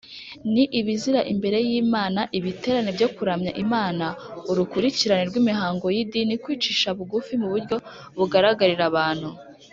ni ibizira imbere y’imana ibiterane byo kuramya imana, urukurikirane rw’imihango y’idini, kwicisha bugufi mu buryo bugaragarira abantu